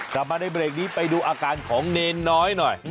กลับมาในเบรกนี้ไปดูอาการของเนรน้อยหน่อย